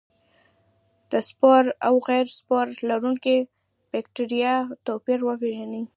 د سپور او غیر سپور لرونکو بکټریا توپیر وپیژني.